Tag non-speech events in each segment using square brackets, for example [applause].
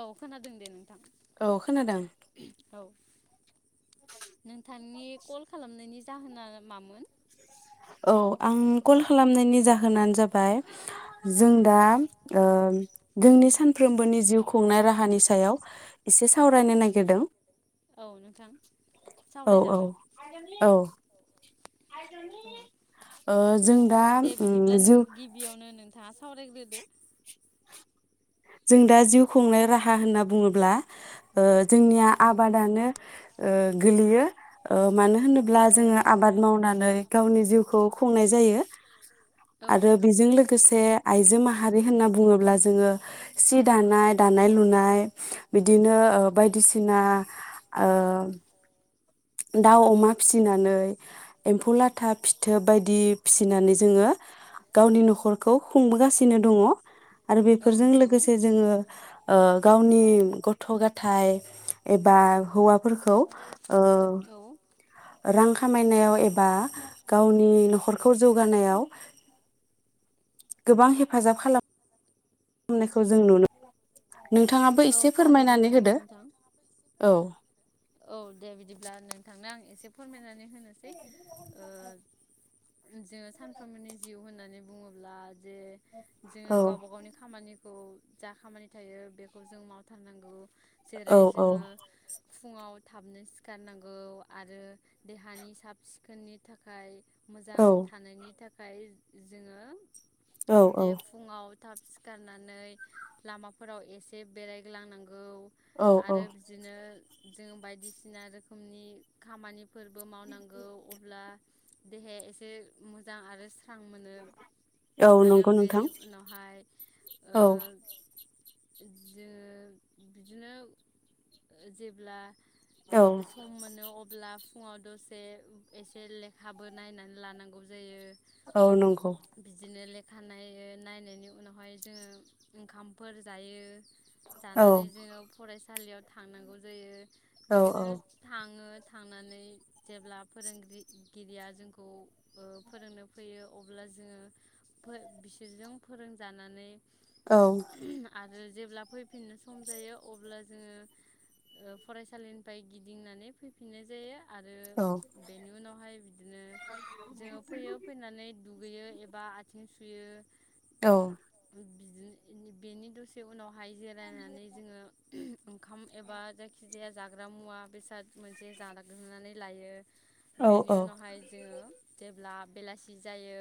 औ खोनादों दे नोंथां औ नोंथां नोंनि कल खालामनायनि जाहोना मामोन औ आं कल खालामनायनि जाहोनानो जाबाय जों दा ओ जोंनि सानफ्रोमबोनि जिउ खुंनाय राहानि सायाव एसे सावरायनो नागिरदों औ नोंथां सावरायजागोन ओ जों दा उम जिउ बिथाङा सावरायग्रोदो जों दा जिउ खुंनाय राहा होनना बुङोब्ला जोंनिया आबादानो गोलैयो मानो नोब्ला जोङो आबाद मावनानै गावनि जिउखौ खुंनाय जायो आरो बेजों लोगोसे आइजो माहारि होनना बुङोब्ला जोङो सि दानाय दानाय लुनाय बिदिनो ओ बायदिसिना ओ दाउ अमा फिसिनानै एम्फौ लाथा फिथोब बायदि फिसिनानै जोङो गावनि न'खरखौ खुंबोगासिनो दङ आरो बेफोरजों लोगोसे जोङो ओ गावनि गथ' गाथाय एबा हौवाफोरखौ औ रां खामायनायाव एबा गावनि न'खरखौ जौगानायाव गोबां हेफाजाब खालामो खालामनायखौ जों नुनो मोनो नोंथाङाबो एसे फोरमायनानै होदो औ औ दे बिदिब्ला नोंथांनो आं एसे फोरमायनानै होनोसै ओ जोङो सानफ्रोमबोनि जिउ होननानै बुङोब्ला जे जोङो गावबा गावनि खामानि खौ जा खामानि थायो बेखौ जों मावथारनांगौ जेरै जोङो फुङाव थाबनो सिखारनांगौ आरो देहानि साब सिखोननि थाखाय मोजां थानायनि थाखाय ओमफाय जोङो जे फुङाव थाब सिखारनानै लामाफोराव एसे बेरायग्लांनांगौ औ आरो बिदिनो जों बायदिसिना रोखोमनि खामानि फोरबो मावनांगौ अब्ला देहाया एसे मोजां आरो सि स्रां मोनो आरो बेनि उनावहाय ओ जोङो बिदिनो [inaudible] ब्ला सम मोनो अब्ला फुङाव दसे एसे लेखाबो नायनानै लानांगौ जायो औ नंगौ खानायो नायनायनि उनावहाय जोङो ओंखामफोर जायो जानानै जोङो फरायसा साालियाव थांनांगौ जायो बिदिनो थाङो थांनानै जेब्ला फोरोंगिरि गिरिया जोंखौ ओ फोरोंनो फैयो अब्ला जोङो बि बिसोरजों फोरोंजानानै औ जेब्ला फैफि फिननो सम जायो अब्ला जोङो फरायसालिनिफ्राय गिदिंनानै फैफिननाय जायो आरो बेनि उनावहाय बिदिनो जोङो फैयो फैनानै दुगैयो एबा आथिं सुयो औ' बिदि बेनि दसे उनाव हाय जिरायनानै जोङो ओंखाम एबा खिजाया जाग्रा मुवा बेसाद मोनसे जाग लनानै लायो बेनि उनावहाय जोङो जेब्ला बेलासि जायो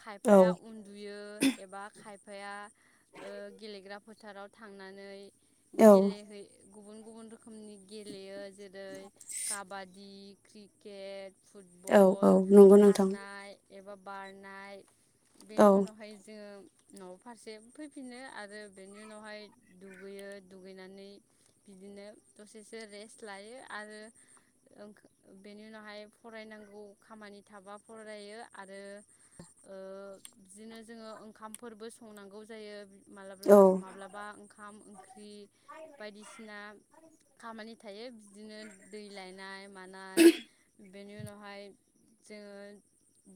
खायफाया उन्दुयो एबा खायफ बिफाया ओ गेलेग्रा फोथाराव थांनानै गेलेह गुबुन [inaudible] रोखोमनि गेलेयो जेरै काबादि क्रिकेट फुटबल खारनाय एबा बारनाय बेनि उनावहाय जोङो न' फारसे फैफिनो आरो बेनि उनावहाय दुगैयो दुगैनानै बिदिनो दसेसो रेस्ट लायो आरो ओ बेनि उनावहाय फरायनांगौ खामानि थाबा फरायो आरो ओ बिदिनो जोङो ओंखामफोरबो संनांगौ जायो माब्लाब माब्लाबा ओंखाम फख्रि बायदिसिना बिसिना खामानि थायो बिदिनो दै लायनाय मानाय बेनि उनावहाय जोङो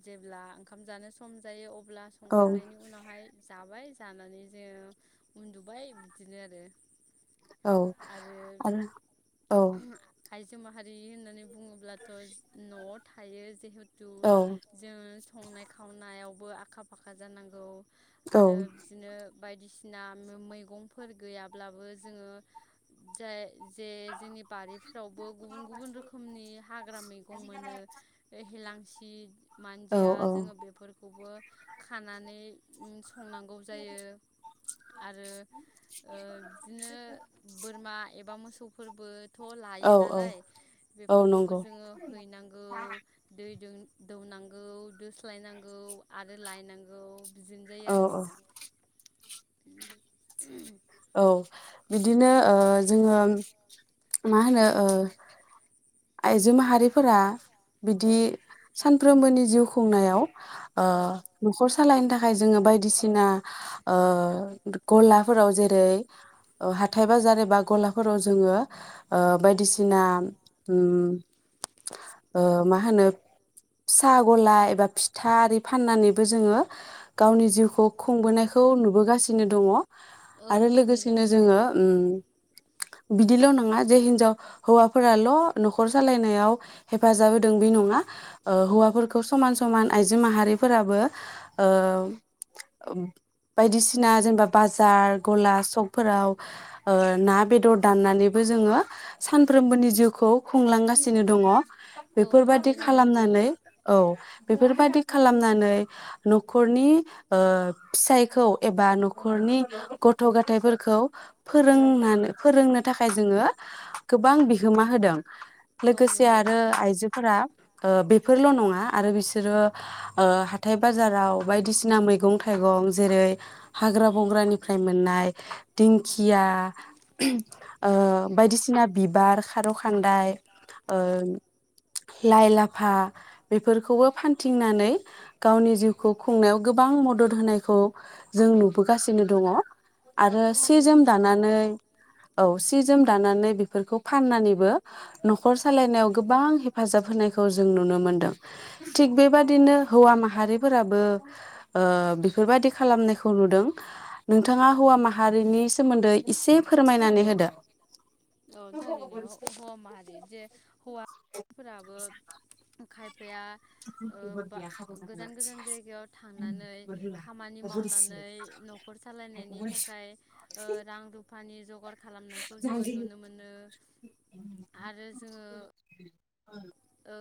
जेब्ला ओंखाम जानो सम जायो अ अब्ला संखांनायनि उनावहाय जाबाय जानानै जोङो उन्दुबाय बिदिनो आरो औ आरो औ माहारि होननानै बुङोब्लाथ' [unintelligible] नर्थ थायो [unintelligible] [unintelligible] जों संनाय खावनायाव बो आखा फाखा जानांगौ आरो बिदिनो बायदिसिना मैगंफोर गैयाब्लाबो जोङो जाय जे जोंनि बारिफ्रावबो गुबुन गुबुन रोखोमनि हाग्रा मैगं मोनो हिलांसि मानदिया जोङो बेफोरखौबो खानानै संनांगौ जायो आरो ओ बिदिनो बोरमा एबा मोसौफोर बोथ' लायो नालाय बेफोरखौबो जोङो हैनांगौ दैदौ दौनांगौ दोस्लायनांगौ आरो लायनांगौ बिदिनो जायो आरो नोंथां औ बिदिनो ओ जोङो मा होनो ओ आइजो माहारिफोरा बिदि सानफ्रोमबोनि जिउ खुंनायाव ओ न'खर सालायनो थाखा थाखाय जोङो बायदिसिना ओ गलाफोराव जेरै हाथाइ बाजारबा ग'लाफोराव जोङो ओ बायदिसिना उम ओ मा होनो फिसा ग'ला एबा फिथा आरि फाननानैबो जोङो गावनि जिउखौ खुंबोनायखौ नुबोगासिनो दङ आरो लोगोसेनो जोङो ओम बिदिल' नङा जे हिनजाव हौवाफोराल' न'खर सालायनायाव हेफाजाब बे नङा हौवाफोरखौ समान समान आइजो माहारिफोराबो ओ बायदिसिना जेनेबा बाजार गला सकफोराव ओ ना बेदर दाननानैबो जोङो सानफ्रोमबोनि जिउखौ खुंलांगासिनो दङ बेफोरबायदि खालामनानै औ बेफोरबादि खालामनानै न'खरनि ओ फिसायखौ एबा न'खरनि गथ' गथाइफोरखौ फोरोंनानै फोरोंना थाखाय जोङो गोबां बिहोमा होदों लोगोसे आरो आइजोफोरा ओ बेफोरल' नङा आरो बिसोरो ओ हाथाय बाजाराव बायदिसिना मैगं थाइगं जेरै हाग्रा बंग्रानिफ्राय मोननाय दिंखिया ओ बायदिसिना बिबार खार' खान ओ लाइ लाफा बेफोरखौबो फानथिंनानै गावनि जिउखौ खुंनायाव गोबां मदद होनायखौ जों नुबोगासिनो दङ आरो सि जोम दानानै औ सि सि जोम दानानै बेफोरखौ फाननानैबो न'खर सालायनायाव गोबां हेफाजाब होनायखौ जों नुनो मोनदों थिग बेबादिनो हौवा माहारिफोराबो ओ बेफोरबायाददि खालामनायखौ नुदों नोंथाङा हौवा माहारि हारिनि सोमोन्दै एसे फोरमायनानै होदो [unintelligible] [unintelligible] बिफाया ब गोजान गोजान जायगायाव थांनानै खामानि मावनानै न'खर सालायनायनि थाखाय ओ थाखाय रां रुफानि जगार खालामनायखौ जोङो नुनो मोनो आरो जोङो औ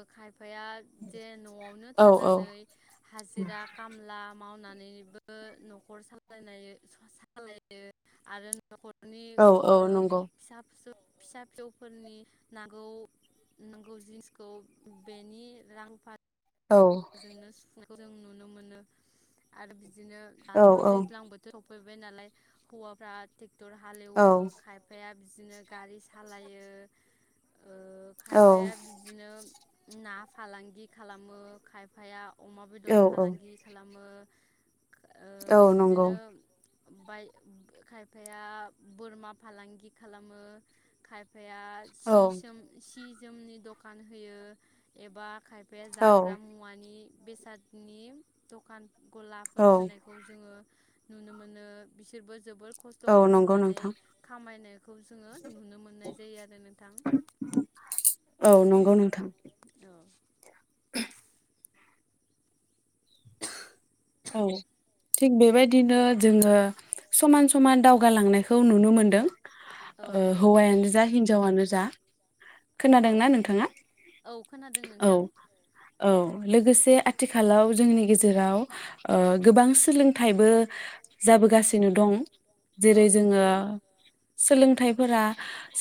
[unintelligible] बिफाया जे न'आवनो थानानै हाजिरा कामला मावनानैबो न'खर सालायनायो सालायो आरो न'खरनि ओ फिसा फिसौ फिसा फिसौफोरनि नांगौ नांगौ जिन्स खौ बेनि रांफारि जोंनो सुफुं जों नुनो मोनो आरो बि बिदिनो दाथ' दैज्लां बोथोराव बाय नालाय हौवाफ्रा टेकटर हालेवो खायफाया बिदिनो गारि सालायो ओ खायफाया बिदिनो ना फालांगि खालामो खायफाया अमा बेदर फालांगि खालामो औ नंगौ बाय खायफाया बोरमा फालांगि खालामो खा मफाया सि सोम सि जोमनि दखान होयो एबा खायफा बे जा मानि बेसादनि दखान गलाफोर होनायखौ जोङो नुनो मोनो बिसोरबो जोबोर खस्थ' खालामनानै खामायनायखौ जोङो नुनो मोननाय जायो आरो नोंथां औ औ थिग बेबायदिनो जोङो समान समान दावगालांनायखौ नुनो मोनदों ओ हौवायानो जा हिन्जावानो जा खोनादोंना नोंथाङा औ औ लोगोसे जे आथिखालाव जोंनि गेजेराव ओ गोबां सोलोंथाइबो जाबोगासिनो दं जेरै जोङो सोलोंथाइफोरा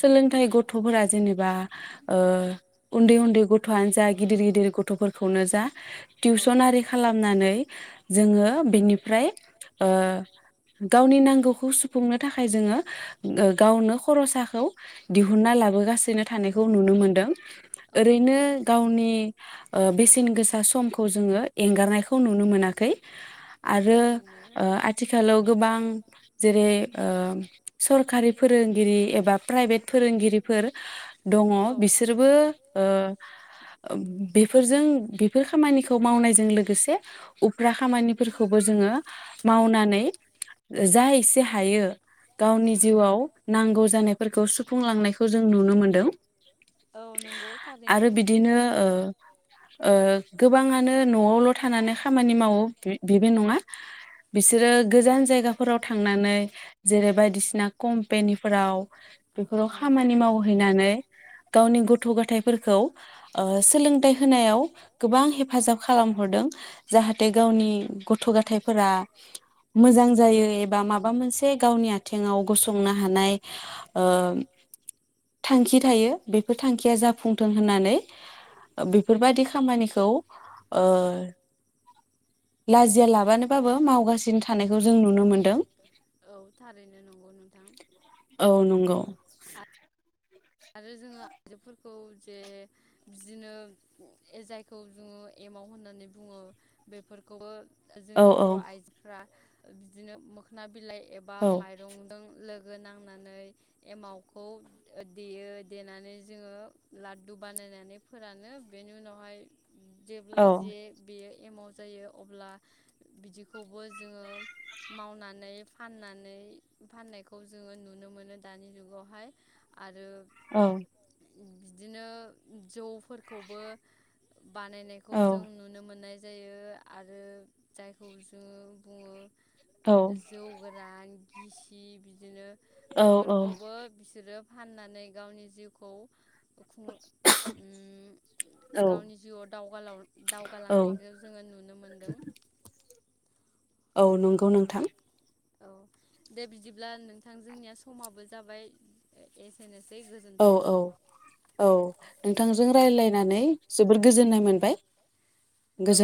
सोलोंथाइ गथ'फोरा जेनेबा ओ उन्दै उन्दै गथ'आनो जा गिदिर गिदिर गथ'फोरखौनो जा टिउसन आरि खालामनानै जोङो बेनिफ्राय ओ गावनि नांगौखौ सुफुंनो थाखाय जोङो गावनो खरसाखौ दिहुनना लाबोगासिनो थानायखौ नुनो मोनदों ओरैनो गावनि ओ बेसेन गोसा समखौ जोङो एंगारनायखौ नुनो मोनाखै आरो ओ आथिखालाव गोबां जेरै ओ सरखारि फोरोंगिरि एबा प्राइभेट फोरोंगिरिफोर दङ बिसोरबो ओ बेफोरजों बेफोर खामानिखौ मावनायजों लोगोसे उफ्रा खामानिफोरखौबो जोङो मावनानै जा एसे हायो गावनि जिउआव नांगौ जानायफोरखौ सुफुंलांनायखौ जों नुनो मोनदों आरो बिदिनो ओ ओ गोबाङानो न'आवल' थ खामानि मावो बेबो नङा बिसोरो गोजान जायगाफोराव थांनानै जेरै बायदिसिना कम्पेनिफोराव बेफोराव खामानि मावहैनानै गावनि गथ' गथायाइफोरखौ ओ सोलोंथाइ होनायाव गोबां हेफाजाब खालामहरदों जाहाथे गावनि गथ' गाथाइफोरा मोजां जायो एबा माबा मोनसे गावनि आथेङाव गसंनो हानाय ओं थांखि थायो बेफोर थांखिया जाफुंथों होननानै बेफोरबायादि खामानिखौ ओ लाजिया लाबानोबाबो मावगासिनो थानायखौ जों नुनो मोनदों औ नंगौ आरो जोङो आइजोफोरखौ जे बिदिनो जायखौ जोङो एमाव होननानै बुङो बेफोरखौबो जोंनि बर' आइजोफ्रा बिदिनो मोखोना बिलाइ एबा माइरंजों लो नांनानै एमावखौ देयो देनानै जोङो लादु बानायनानै फोरानो बेनि उनावहाय जेब्ला जे बेयो एमाव जायो अब्ला बिदिखौबो जोङो मावनानै फाननानै फाननायखौ जोङो नुनो मोनो दानि जुगावहाय औ बिदिनो जौफोरखौबो बानायनायखौ जों नुनो मोननाय जायो आरो जायखौ जोङो बुङो जौ गोरान गिसि बिदिनो बेफोरखौबो बिसोरो फाननानै गावनि जिउखौ उम गावनि जिउआव दागालाव- दावगालांनायखो जोङो नुनो मोनदों औ नंगौ नोंथां औ दे बिदिब्ला नोंथां जोंनिया समाबो जाबाय एसेनो औ औ औ नोंथांजों रायलाय नानै जोबोर गोजोन्नाय मोनबाय औ